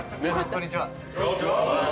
こんにちは。